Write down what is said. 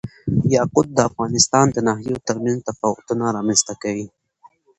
یاقوت د افغانستان د ناحیو ترمنځ تفاوتونه رامنځ ته کوي.